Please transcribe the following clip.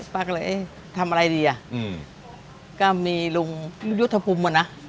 ป้าก็เลยเอ๊ะทำอะไรดีอ่ะก็มีลุงยุทธภูมิอ่ะนะ